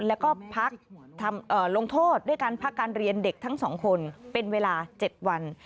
แล้วก็พักลงโทษด้วยการพักการเรียนเด็กทั้ง๒คนเป็นเวลา๗วัน